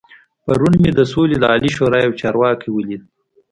پرون مې د سولې د عالي شورا يو چارواکی ولید.